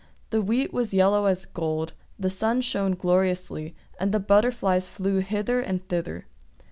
The wheat was yellow as gold, the sun shone gloriously, and the butterflies flew hither and thither.